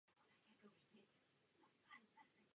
Na této části balíku se tedy dokážeme shodnout.